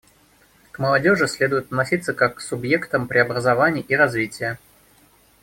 К молодежи следует относиться как к субъектам преобразований и развития.